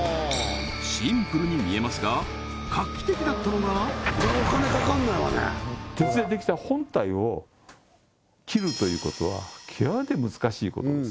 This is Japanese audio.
シンプルに見えますが画期的だったのが鉄でできた本体を切るということは極めて難しいことです